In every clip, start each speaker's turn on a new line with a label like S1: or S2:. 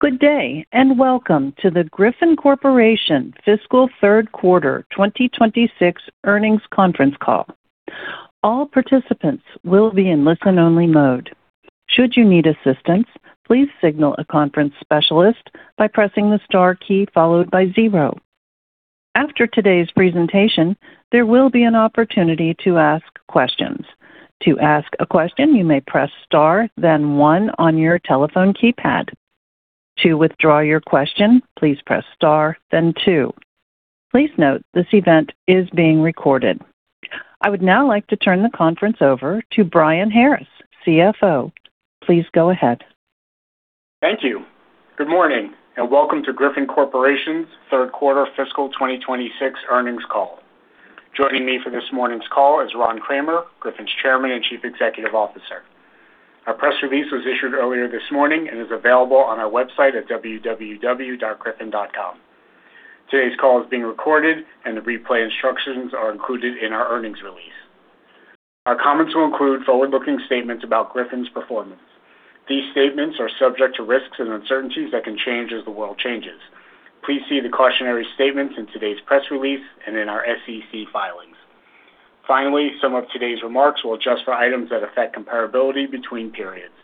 S1: Good day, and welcome to the Griffon Corporation fiscal third quarter 2026 earnings conference call. All participants will be in listen-only mode. Should you need assistance, please signal a conference specialist by pressing the star key followed by zero. After today's presentation, there will be an opportunity to ask questions. To ask a question, you may press star, then one on your telephone keypad. To withdraw your question, please press star, then two. Please note this event is being recorded. I would now like to turn the conference over to Brian Harris, Chief Financial Officer. Please go ahead.
S2: Thank you. Good morning, and welcome to Griffon Corporation's third quarter fiscal 2026 earnings call. Joining me for this morning's call is Ron Kramer, Griffon's Chairman and Chief Executive Officer. Our press release was issued earlier this morning and is available on our website at www.griffon.com. Today's call is being recorded, and the replay instructions are included in our earnings release. Our comments will include forward-looking statements about Griffon's performance. These statements are subject to risks and uncertainties that can change as the world changes. Please see the cautionary statements in today's press release and in our SEC filings. Finally, some of today's remarks will adjust for items that affect comparability between periods.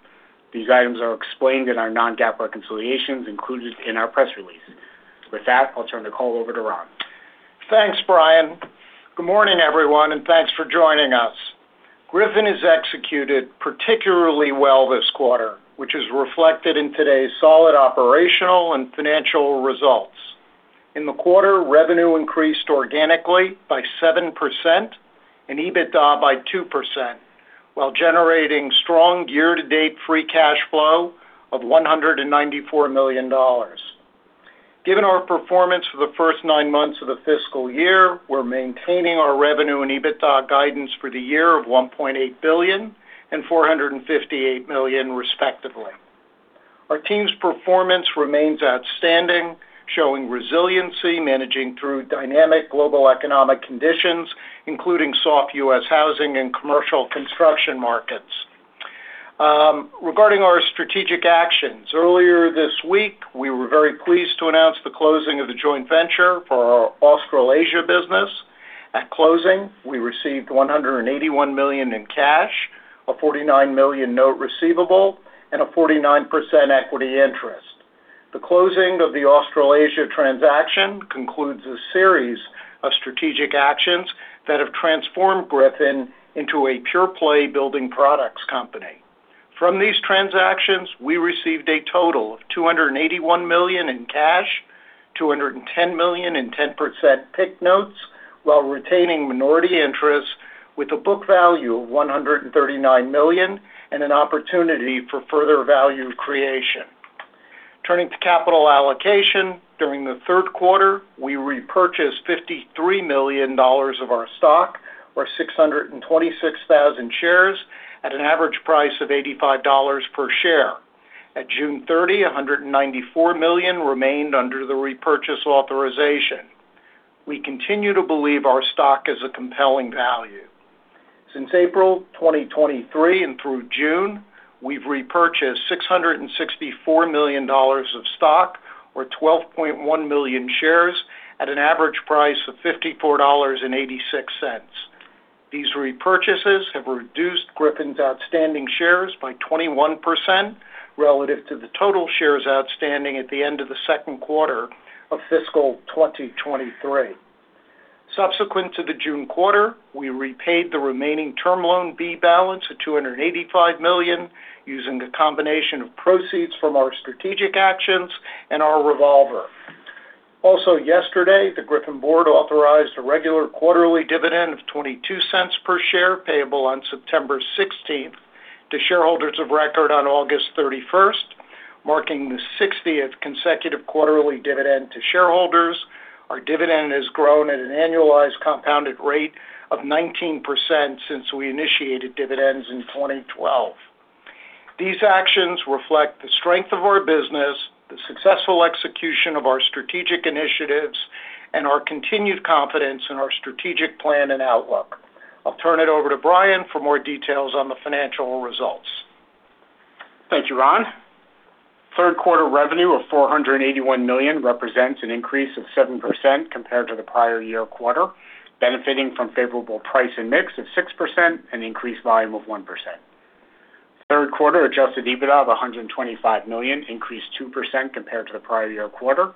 S2: These items are explained in our non-GAAP reconciliations included in our press release. With that, I'll turn the call over to Ron.
S3: Thanks, Brian. Good morning, everyone, and thanks for joining us. Griffon has executed particularly well this quarter, which is reflected in today's solid operational and financial results. In the quarter, revenue increased organically by 7% and EBITDA by 2%, while generating strong year-to-date free cash flow of $194 million. Given our performance for the first nine months of the fiscal year, we're maintaining our revenue and EBITDA guidance for the year of $1.8 billion and $458 million, respectively. Our team's performance remains outstanding, showing resiliency, managing through dynamic global economic conditions, including soft U.S. housing and commercial construction markets. Regarding our strategic actions, earlier this week, we were very pleased to announce the closing of the joint venture for our Australasia business. At closing, we received $181 million in cash, a $49 million note receivable, and a 49% equity interest. The closing of the Australasia transaction concludes a series of strategic actions that have transformed Griffon into a pure-play building products company. From these transactions, we received a total of $281 million in cash, $210 million in 10% PIK notes, while retaining minority interest with a book value of $139 million and an opportunity for further value creation. Turning to capital allocation, during the third quarter, we repurchased $53 million of our stock, or 626,000 shares, at an average price of $85 per share. At June 30, $194 million remained under the repurchase authorization. We continue to believe our stock is a compelling value. Since April 2023 and through June, we've repurchased $664 million of stock, or 12.1 million shares, at an average price of $54.86. These repurchases have reduced Griffon's outstanding shares by 21% relative to the total shares outstanding at the end of the second quarter of fiscal 2023. Subsequent to the June quarter, we repaid the remaining term loan B balance of $285 million using the combination of proceeds from our strategic actions and our revolver. Yesterday, the Griffon board authorized a regular quarterly dividend of $0.22 per share payable on September 16th to shareholders of record on August 31st, marking the 60th consecutive quarterly dividend to shareholders. Our dividend has grown at an annualized compounded rate of 19% since we initiated dividends in 2012. These actions reflect the strength of our business, the successful execution of our strategic initiatives, and our continued confidence in our strategic plan and outlook. I'll turn it over to Brian for more details on the financial results.
S2: Thank you, Ron. Third quarter revenue of $481 million represents an increase of 7% compared to the prior year quarter, benefiting from favorable price and mix of 6% and increased volume of 1%. Third quarter Adjusted EBITDA of $125 million increased 2% compared to the prior year quarter,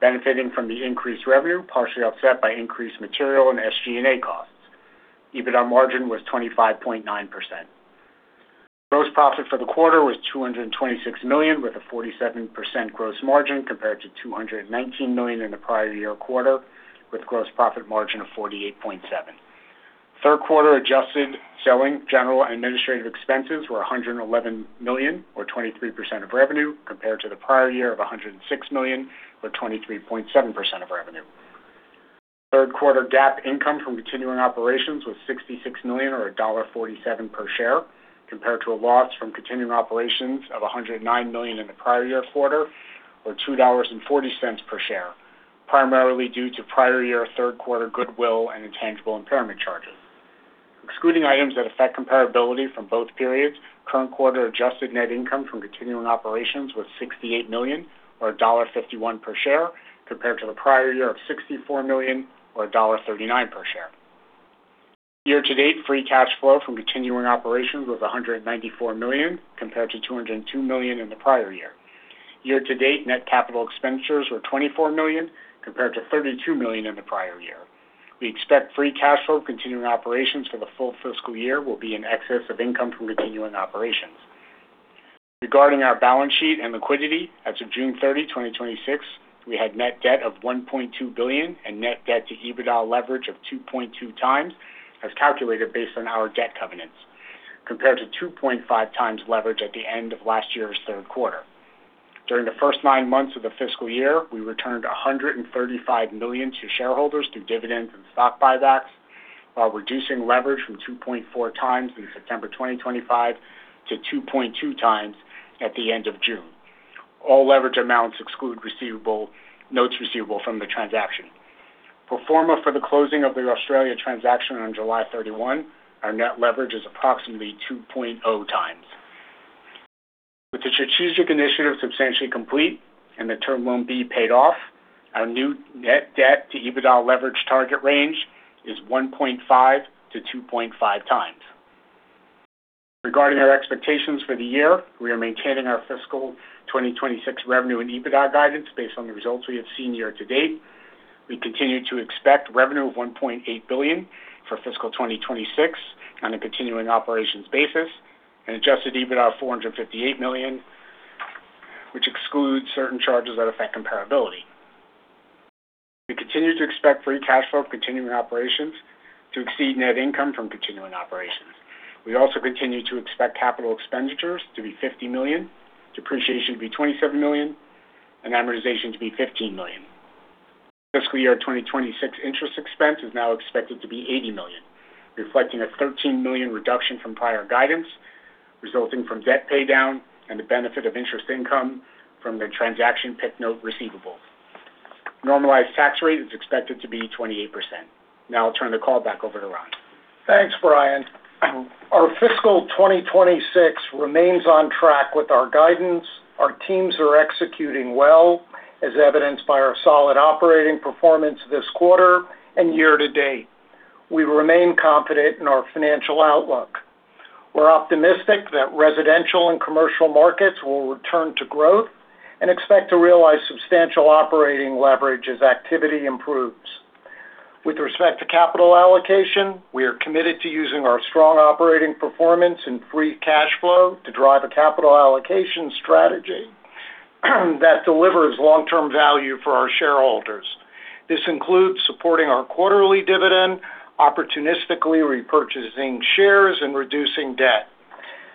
S2: benefiting from the increased revenue, partially offset by increased material and SG&A costs. EBITDA margin was 25.9%. Gross profit for the quarter was $226 million, with a 47% gross margin, compared to $219 million in the prior year quarter, with a gross profit margin of 48.7%. Third quarter adjusted selling, general, and administrative expenses were $111 million, or 23% of revenue, compared to the prior year of $106 million, or 23.7% of revenue. Third quarter GAAP income from continuing operations was $66 million, or $1.47 per share, compared to a loss from continuing operations of $109 million in the prior year quarter, or $2.40 per share, primarily due to prior year third quarter goodwill and intangible impairment charges. Excluding items that affect comparability from both periods, current quarter adjusted net income from continuing operations was $68 million or $1.51 per share, compared to the prior year of $64 million or $1.39 per share. Year-to-date free cash flow from continuing operations was $194 million, compared to $202 million in the prior year. Year-to-date net capital expenditures were $24 million, compared to $32 million in the prior year. We expect free cash flow continuing operations for the full fiscal year will be in excess of income from continuing operations. Regarding our balance sheet and liquidity, as of June 30, 2026, we had net debt of $1.2 billion and net debt to EBITDA leverage of 2.2x, as calculated based on our debt covenants, compared to 2.5x leverage at the end of last year's third quarter. During the first nine months of the fiscal year, we returned $135 million to shareholders through dividends and stock buybacks, while reducing leverage from 2.4x in September 2025 to 2.2x at the end of June. All leverage amounts exclude notes receivable from the transaction. Pro forma for the closing of the Australasia transaction on July 31, our net leverage is approximately 2.0x. With the strategic initiative substantially complete and the term loan B paid off, our new net debt to EBITDA leverage target range is 1.5x-2.5x. Regarding our expectations for the year, we are maintaining our fiscal 2026 revenue and EBITDA guidance based on the results we have seen year-to-date. We continue to expect revenue of $1.8 billion for fiscal 2026 on a continuing operations basis, and Adjusted EBITDA of $458 million, which excludes certain charges that affect comparability. We continue to expect free cash flow from continuing operations to exceed net income from continuing operations. We also continue to expect capital expenditures to be $50 million, depreciation to be $27 million, and amortization to be $15 million. Fiscal year 2026 interest expense is now expected to be $80 million, reflecting a $13 million reduction from prior guidance, resulting from debt paydown and the benefit of interest income from the transaction PIK note receivable. Normalized tax rate is expected to be 28%. I'll turn the call back over to Ron.
S3: Thanks, Brian. Our fiscal 2026 remains on track with our guidance. Our teams are executing well, as evidenced by our solid operating performance this quarter and year-to-date. We remain confident in our financial outlook. We're optimistic that residential and commercial markets will return to growth, and expect to realize substantial operating leverage as activity improves. With respect to capital allocation, we are committed to using our strong operating performance and free cash flow to drive a capital allocation strategy that delivers long-term value for our shareholders. This includes supporting our quarterly dividend, opportunistically repurchasing shares, and reducing debt.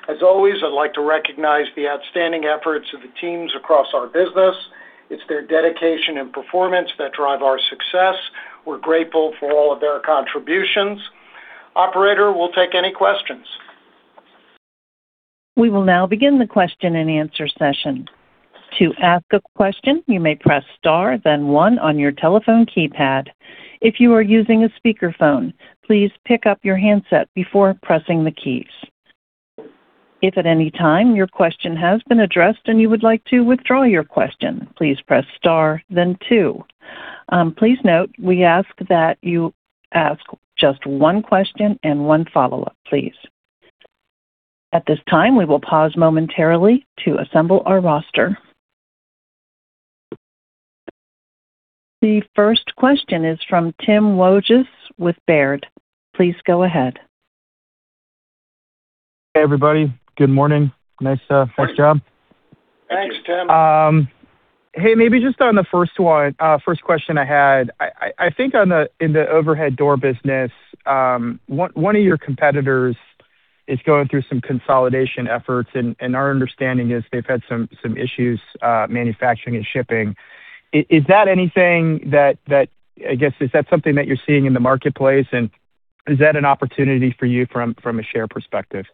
S3: As always, I'd like to recognize the outstanding efforts of the teams across our business. It's their dedication and performance that drive our success. We're grateful for all of their contributions. Operator, we'll take any questions.
S1: We will now begin the question and answer session. To ask a question, you may press star then one on your telephone keypad. If you are using a speakerphone, please pick up your handset before pressing the keys. If at any time your question has been addressed and you would like to withdraw your question, please press star then two. Please note we ask that you ask just one question and one follow-up, please. At this time, we will pause momentarily to assemble our roster. The first question is from Tim Wojs with Baird. Please go ahead.
S4: Hey, everybody. Good morning. Nice job.
S3: Thanks, Tim.
S4: Hey, maybe just on the first one, first question I had. I think in the overhead door business, one of your competitors is going through some consolidation efforts, and our understanding is they've had some issues manufacturing and shipping. Is that something that you're seeing in the marketplace, and is that an opportunity for you from a share perspective?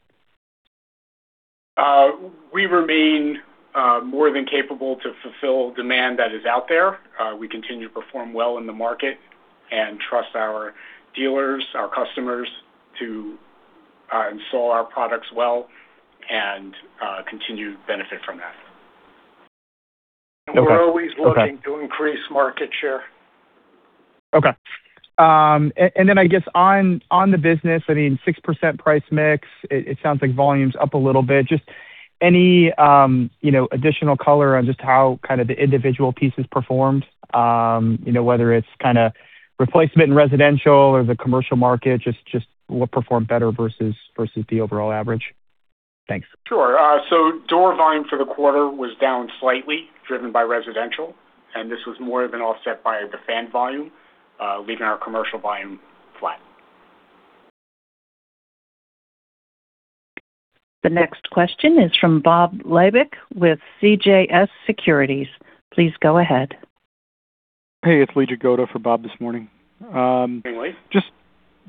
S2: We remain more than capable to fulfill demand that is out there. We continue to perform well in the market and trust our dealers, our customers, to install our products well and continue to benefit from that.
S3: We're always looking to increase market share.
S4: Okay. I guess on the business, 6% price mix, it sounds like volume's up a little bit. Any additional color on just how the individual pieces performed? Whether it's replacement in residential or the commercial market, what performed better versus the overall average? Thanks.
S2: Sure. Door volume for the quarter was down slightly, driven by residential, and this was more than offset by the fan volume, leaving our commercial volume flat.
S1: The next question is from Bob Labick with CJS Securities. Please go ahead.
S5: Hey, it's Lee Jagoda for Bob this morning.
S2: Hey, Lee.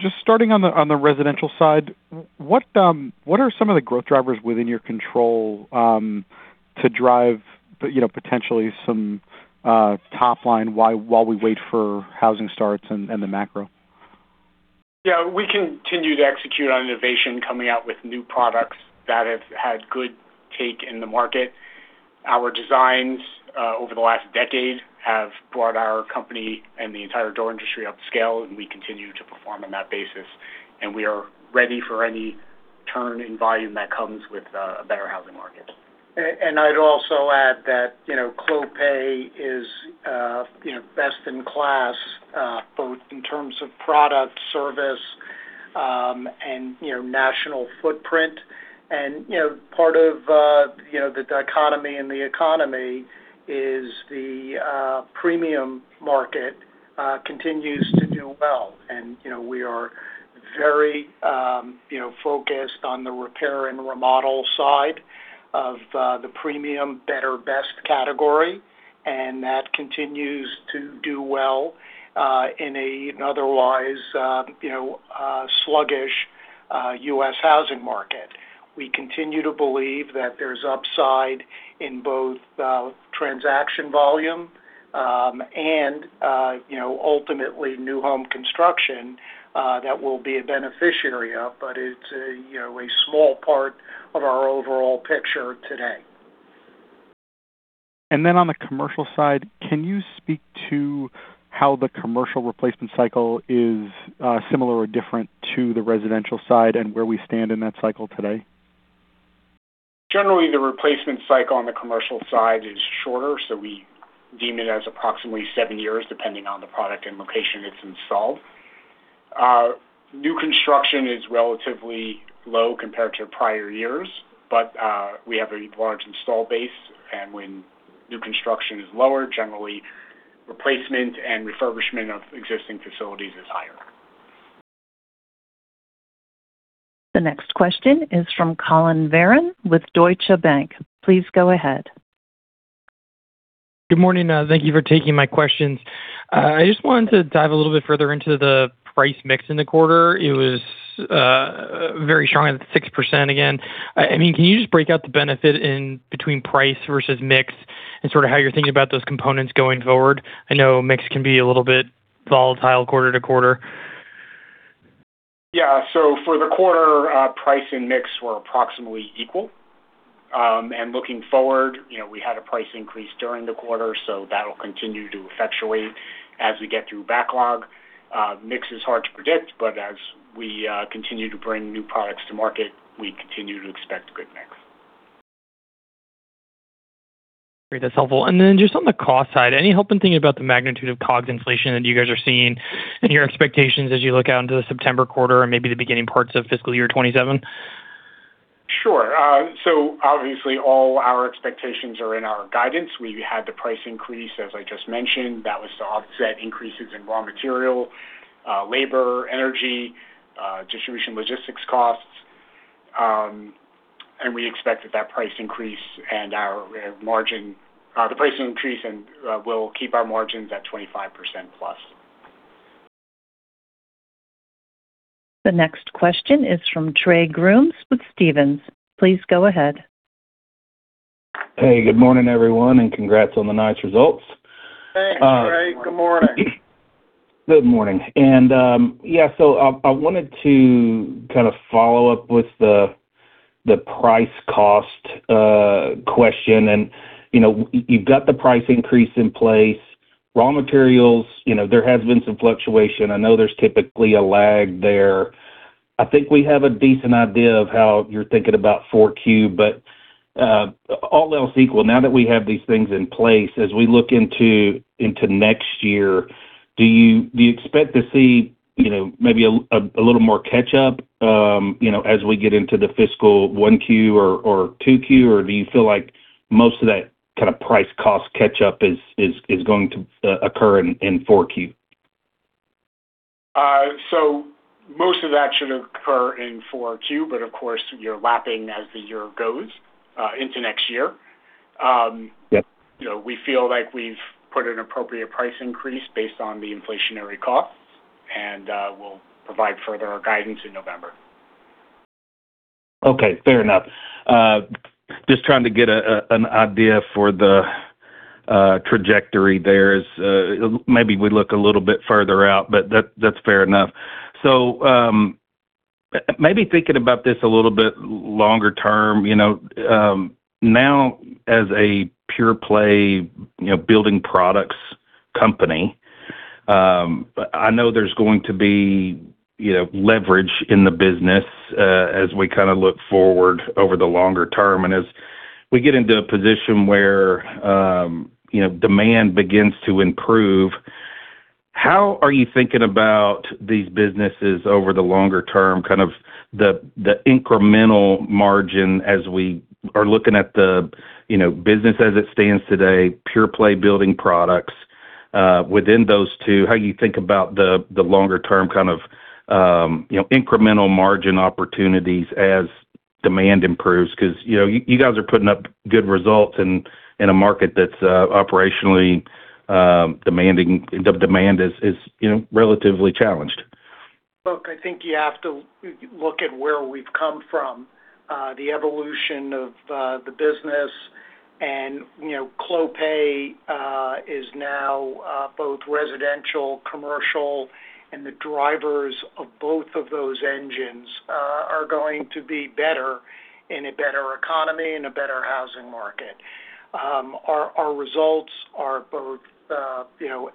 S5: Just starting on the residential side, what are some of the growth drivers within your control to drive potentially some top line while we wait for housing starts and the macro?
S2: Yeah. We continue to execute on innovation, coming out with new products that have had good take in the market. Our designs over the last decade have brought our company and the entire door industry up to scale, we continue to perform on that basis. We are ready for any turn in volume that comes with a better housing market.
S3: I'd also add that Clopay is best in class, both in terms of product, service, and national footprint. Part of the dichotomy in the economy is the premium market continues to do well. We are very focused on the repair and remodel side of the premium better best category, and that continues to do well in an otherwise sluggish U.S. housing market. We continue to believe that there's upside in both transaction volume, and ultimately, new home construction that we'll be a beneficiary of, but it's a small part of our overall picture today.
S5: On the commercial side, can you speak to how the commercial replacement cycle is similar or different to the residential side and where we stand in that cycle today?
S2: Generally, the replacement cycle on the commercial side is shorter, so we deem it as approximately seven years, depending on the product and location it's installed. New construction is relatively low compared to prior years, but we have a large install base. When new construction is lower, generally replacement and refurbishment of existing facilities is higher.
S1: The next question is from Collin Verron with Deutsche Bank. Please go ahead.
S6: Good morning. Thank you for taking my questions. I just wanted to dive a little bit further into the price mix in the quarter. It was very strong at 6% again. Can you just break out the benefit in between price versus mix and sort of how you're thinking about those components going forward? I know mix can be a little bit volatile quarter-to-quarter.
S2: For the quarter, price and mix were approximately equal. Looking forward, we had a price increase during the quarter, that'll continue to effectuate as we get through backlog. Mix is hard to predict, as we continue to bring new products to market, we continue to expect good mix.
S6: Great. That's helpful. Just on the cost side, any help in thinking about the magnitude of COGS inflation that you guys are seeing and your expectations as you look out into the September quarter or maybe the beginning parts of fiscal year 2027?
S2: Sure. Obviously, all our expectations are in our guidance. We had the price increase, as I just mentioned. That was to offset increases in raw material, labor, energy, distribution logistics costs. We expect that, the price increase will keep our margins at 25%+.
S1: The next question is from Trey Grooms with Stephens. Please go ahead.
S7: Hey, good morning, everyone, and congrats on the nice results.
S3: Thanks, Trey. Good morning.
S7: Good morning. Yeah, I wanted to kind of follow up with the price cost question. You've got the price increase in place. Raw materials, there has been some fluctuation. I know there's typically a lag there. I think we have a decent idea of how you're thinking about 4Q. All else equal, now that we have these things in place, as we look into next year, do you expect to see maybe a little more catch-up as we get into the fiscal 1Q or 2Q? Or do you feel like most of that kind of price cost catch-up is going to occur in 4Q?
S2: Most of that should occur in 4Q, but of course, you're lapping as the year goes into next year.
S7: Yep.
S2: We feel like we've put an appropriate price increase based on the inflationary costs, and we'll provide further guidance in November.
S7: Okay, fair enough. Just trying to get an idea for the trajectory there as maybe we look a little bit further out, but that's fair enough. Maybe thinking about this a little bit longer term. Now as a pure play building products company, I know there's going to be leverage in the business as we kind of look forward over the longer term. As we get into a position where demand begins to improve, how are you thinking about these businesses over the longer term, kind of the incremental margin as we are looking at the business as it stands today, pure play building products. Within those two, how you think about the longer term kind of incremental margin opportunities as demand improves? You guys are putting up good results in a market that's operationally demanding. Demand is relatively challenged.
S3: Look, I think you have to look at where we've come from, the evolution of the business. Clopay is now both residential, commercial, and the drivers of both of those engines are going to be better in a better economy and a better housing market. Our results are both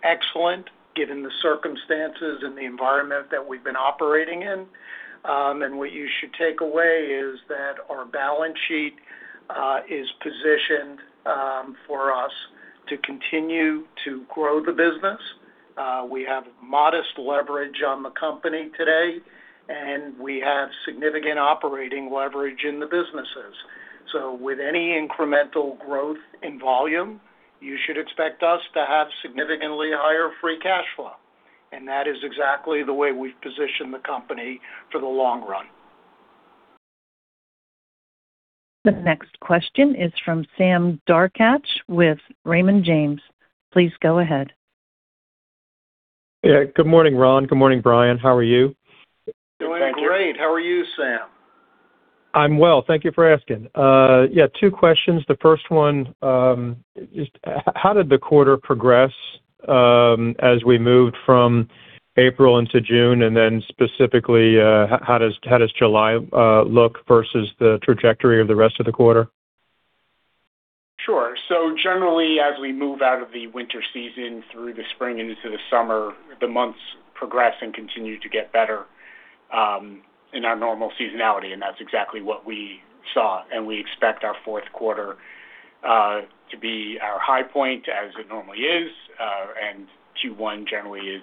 S3: excellent, given the circumstances and the environment that we've been operating in. What you should take away is that our balance sheet is positioned for us to continue to grow the business. We have modest leverage on the company today, and we have significant operating leverage in the businesses. With any incremental growth in volume, you should expect us to have significantly higher free cash flow. That is exactly the way we've positioned the company for the long run.
S1: The next question is from Sam Darkatsh with Raymond James. Please go ahead.
S8: Good morning, Ron. Good morning, Brian. How are you?
S3: Doing great. How are you, Sam?
S8: I'm well. Thank you for asking. Two questions. The first one is, how did the quarter progress as we moved from April into June? Specifically, how does July look versus the trajectory of the rest of the quarter?
S2: Sure. Generally, as we move out of the winter season through the spring and into the summer, the months progress and continue to get better in our normal seasonality, that's exactly what we saw, we expect our fourth quarter to be our high point as it normally is, Q1 generally is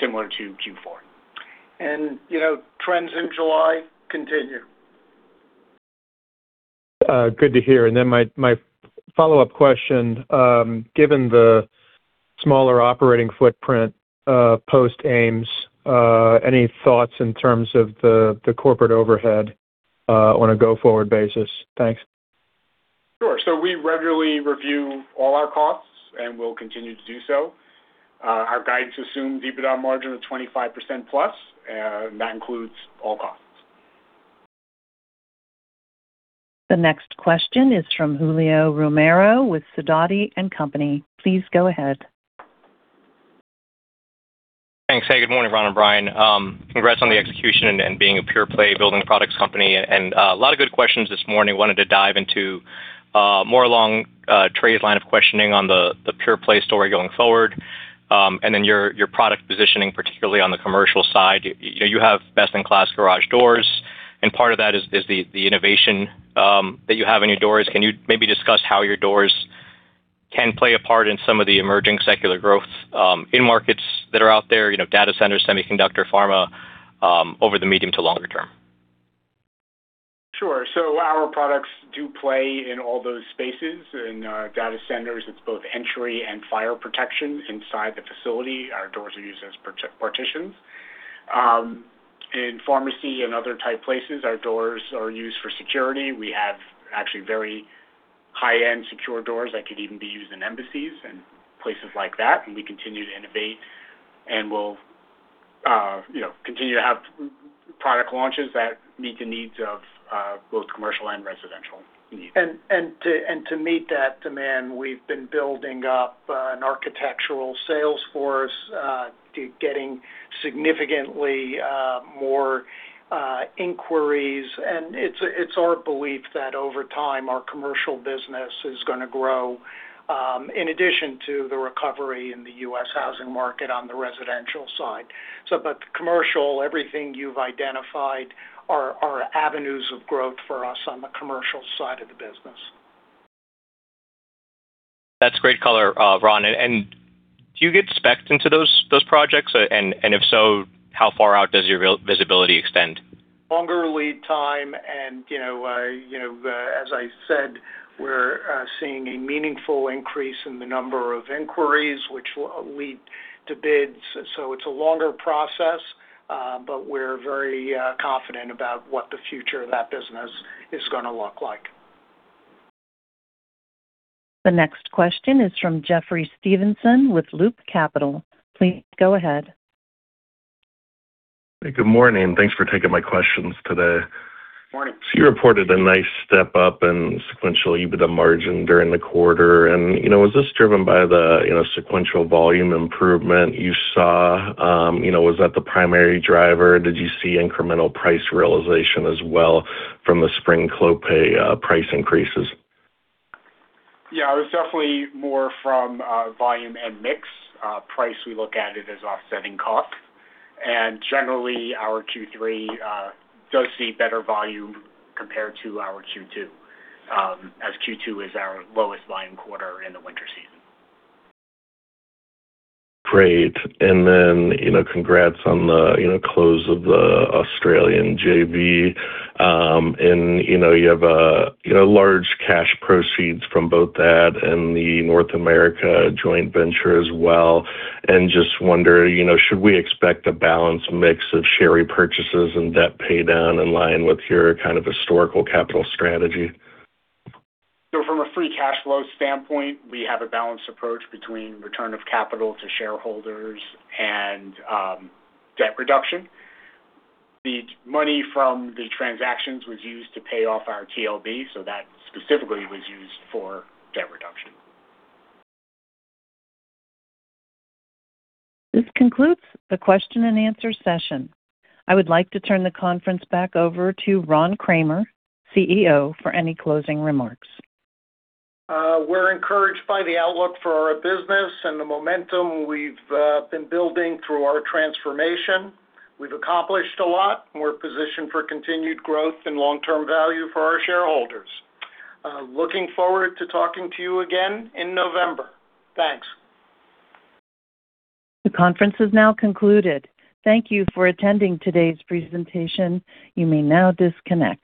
S2: similar to Q4.
S3: Trends in July continue.
S8: Good to hear. My follow-up question, given the smaller operating footprint post-AMES, any thoughts in terms of the corporate overhead on a go-forward basis? Thanks.
S2: Sure. We regularly review all our costs, and we'll continue to do so. Our guidance assumes EBITDA margin of 25%+, and that includes all costs.
S1: The next question is from Julio Romero with Sidoti & Company. Please go ahead.
S9: Thanks. Hey, good morning, Ron and Brian. Congrats on the execution and being a pure-play building products company. A lot of good questions this morning. Wanted to dive into more along Trey's line of questioning on the pure-play story going forward, and then your product positioning, particularly on the commercial side. You have best-in-class garage doors, and part of that is the innovation that you have in your doors. Can you maybe discuss how your doors can play a part in some of the emerging secular growth end markets that are out there, data centers, semiconductor, pharma, over the medium to longer term?
S2: Sure. Our products do play in all those spaces. In data centers, it's both entry and fire protection inside the facility. Our doors are used as partitions. In pharmacy and other tight places, our doors are used for security. We have actually very high-end secure doors that could even be used in embassies and places like that, and we continue to innovate and we'll continue to have product launches that meet the needs of both commercial and residential needs.
S3: To meet that demand, we've been building up an architectural sales force, getting significantly more inquiries. It's our belief that over time, our commercial business is going to grow in addition to the recovery in the U.S. housing market on the residential side. Commercial, everything you've identified are avenues of growth for us on the commercial side of the business.
S9: That's great color, Ron. Do you get specced into those projects? If so, how far out does your visibility extend?
S3: Longer lead time, as I said, we're seeing a meaningful increase in the number of inquiries which will lead to bids. It's a longer process, but we're very confident about what the future of that business is going to look like.
S1: The next question is from Jeffrey Stevenson with Loop Capital. Please go ahead.
S10: Hey, good morning. Thanks for taking my questions today.
S3: Morning.
S10: You reported a nice step-up in sequential EBITDA margin during the quarter. Was this driven by the sequential volume improvement you saw? Was that the primary driver? Did you see incremental price realization as well from the spring Clopay price increases?
S2: Yeah. It was definitely more from volume and mix. Price, we look at it as offsetting cost. Generally, our Q3 does see better volume compared to our Q2, as Q2 is our lowest volume quarter in the winter season.
S10: Great. Then, congrats on the close of the Australian JV. You have large cash proceeds from both that and the North America joint venture as well. Just wonder, should we expect a balanced mix of share repurchases and debt paydown in line with your kind of historical capital strategy?
S2: From a free cash flow standpoint, we have a balanced approach between return of capital to shareholders and debt reduction. The money from the transactions was used to pay off our TLB, so that specifically was used for debt reduction.
S1: This concludes the question and answer session. I would like to turn the conference back over to Ron Kramer, Chief Executive Officer, for any closing remarks.
S3: We're encouraged by the outlook for our business and the momentum we've been building through our transformation. We've accomplished a lot, and we're positioned for continued growth and long-term value for our shareholders. Looking forward to talking to you again in November. Thanks.
S1: The conference is now concluded. Thank you for attending today's presentation. You may now disconnect.